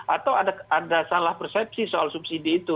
atau ada salah persepsi soal subsidi itu